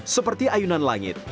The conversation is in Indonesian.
seperti ayunan langit